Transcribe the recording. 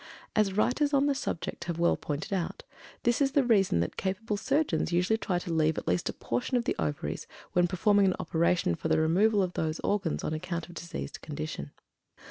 As writers on the subject have well pointed out, this is the reason that capable surgeons usually try to leave at least a portion of the Ovaries when performing an operation for the removal of those organs on account of diseased condition.